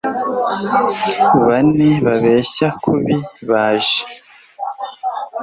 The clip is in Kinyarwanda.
bane babeshya kubi baje